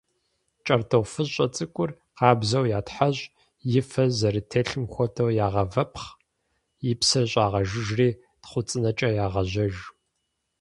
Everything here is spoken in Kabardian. Кӏэртӏофыщӏэ цӏыкӏур къабзэу ятхьэщӏ, и фэр зэрытелъым хуэдэу ягъэвэпхъ, и псыр щӏагъэжыжри тхъуцӏынэкӏэ ягъэжьэж.